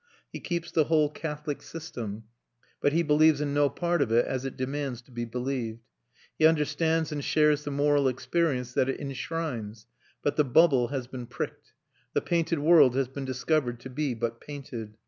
He keeps the whole Catholic system, but he believes in no part of it as it demands to be believed. He understands and shares the moral experience that it enshrines; but the bubble has been pricked, the painted world has been discovered to be but painted.